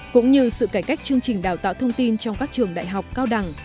cũng như sự cải cách chương trình đào tạo thông tin trong các trường đại học cao đẳng